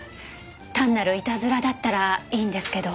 単なるいたずらだったらいいんですけど。